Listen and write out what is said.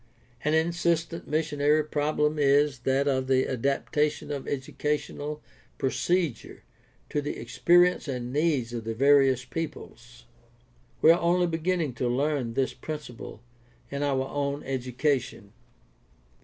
An insistent missionary problem is that of the adaptation of educational procedure to the experience and needs of the various peoples. We are only beginning to learn this principle in our own education.